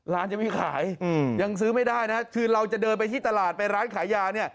ยังไม่ขายยังซื้อไม่ได้นะคือเราจะเดินไปที่ตลาดไปร้านขายยาเนี่ย